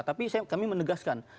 tapi kami menegaskan